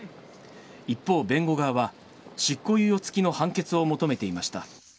一方、弁護側は、執行猶予付きの判決を求めていました。